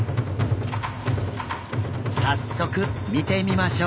早速見てみましょう。